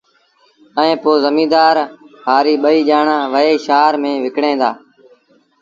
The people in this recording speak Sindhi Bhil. ائيٚݩ پو زميݩدآر هآريٚ ٻئيٚ ڄآڻآݩ وهي شآهر ميݩ وڪڻڻ وهيݩ دآ